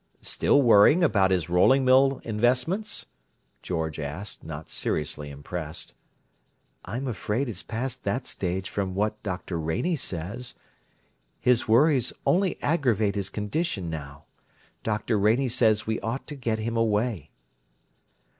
"Still worrying over his rolling mills investments?" George asked, not seriously impressed. "I'm afraid it's past that stage from what Dr. Rainey says. His worries only aggravate his condition now. Dr. Rainey says we ought to get him away."